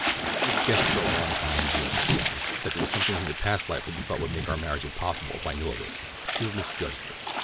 "I have guessed for a long time, June," he replied, "that there was something in your past life that you thought would make our marriage impossible if I knew of it. You have misjudged me.